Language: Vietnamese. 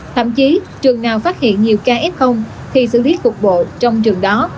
thậm chí trường nào phát hiện nhiều kf khi xử lý phục vụ trong trường đó